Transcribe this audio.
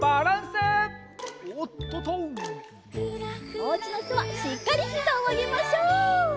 おうちのひとはしっかりひざをあげましょう！